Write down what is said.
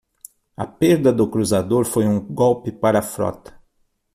A perda do cruzador foi um golpe para a frota.